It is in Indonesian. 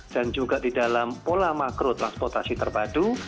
dan juga di dalam pola makro transportasi terpadu